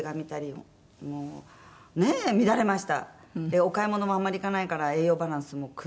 お買い物もあんまり行かないから栄養バランスも崩れて。